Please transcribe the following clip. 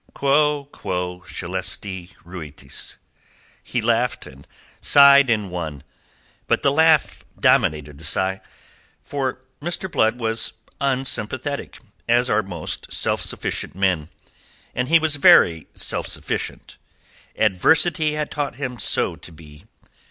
"Quo, quo, scelesti, ruitis?" He laughed and sighed in one; but the laugh dominated the sigh, for Mr. Blood was unsympathetic, as are most self sufficient men; and he was very self sufficient; adversity had taught him so to be.